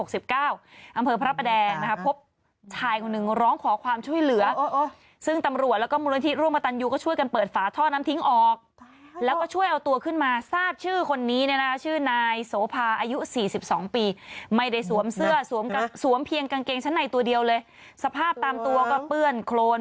สวมเพียงกางเกงชั้นไหนตัวเดียวเลยสภาพตามตัวก็เปื้อนโคลน